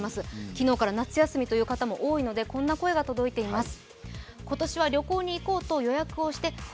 昨日から夏休みという方も多いのでこんな声が届いています。